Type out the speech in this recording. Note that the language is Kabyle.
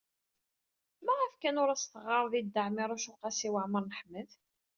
Maɣef kan ur as-teɣɣared i Dda Ɛmiiruc u Qasi Waɛmer n Ḥmed?